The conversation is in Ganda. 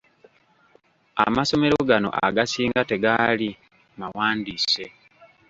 Amasomero gano agasinga tegaali mawandiise.